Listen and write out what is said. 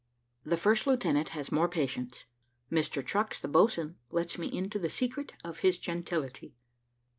THE FIRST LIEUTENANT HAS MORE PATIENTS MR. CHUCKS THE BOATSWAIN LETS ME INTO THE SECRET OF HIS GENTILITY.